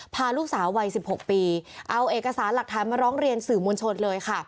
พาลูกสาววัย๑๖ปีเอาเอกสารหลักฐานมาร้องเรียนสื่อมวลชนเลยค่ะ